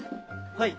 はい。